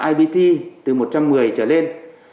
ibt từ một trăm một mươi trở lên